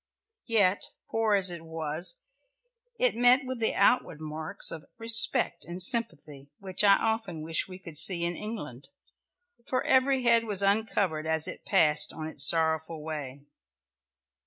Yet poor as it was, it met with the outward marks of respect and sympathy which I often wish we could see in England, for every head was uncovered as it passed on its sorrowful way.